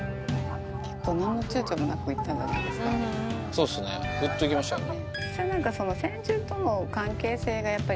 そうですねグッといきましたよね。